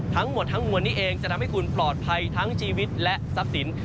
ทั้งหมดทั้งมวลนี้เองจะทำให้คุณปลอดภัยทั้งชีวิตและทรัพย์สิน